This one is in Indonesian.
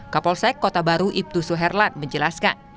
kapolsek kota baru ibtu suherlan menjelaskan